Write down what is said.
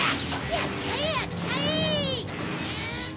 やっちゃえやっちゃえ！